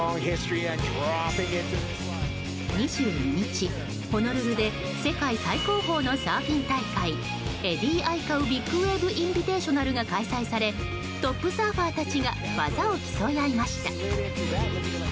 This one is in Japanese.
２２日、ホノルルで世界最高峰のサーフィン大会エディ・アイカウ・ビッグウェーブ・インビテーショナルが開催されトップサーファーたちが技を競い合いました。